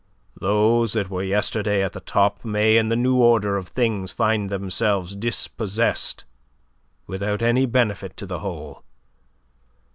Those that were yesterday at the top may in the new order of things find themselves dispossessed without any benefit to the whole.